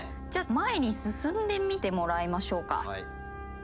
前に進んでみてもらいましょうか。